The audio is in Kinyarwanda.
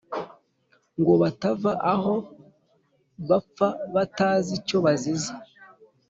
ngo batava aho bapfa batazi icyo bazize.